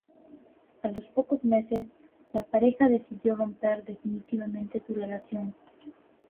A los pocos meses la pareja decidió romper definitivamente su relación.